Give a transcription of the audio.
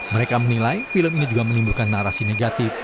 mereka menilai film ini juga menimbulkan narasi negatif